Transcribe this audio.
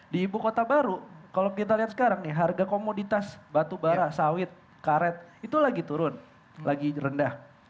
di ibu kota baru kalau kita lihat sekarang nih harga komoditas batubara sawit karet itu lagi turun lagi rendah